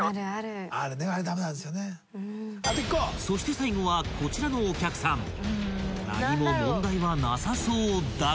［そして最後はこちらのお客さん］